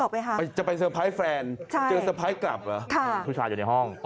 ผู้ชายอยู่ในห้อง